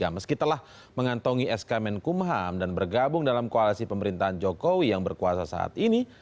meskipun mengantongi sk menkumham dan bergabung dalam koalisi pemerintahan jokowi yang berkuasa saat ini